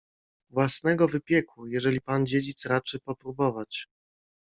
— Własnego wypieku, jeżeli pan dziedzic raczy popróbować.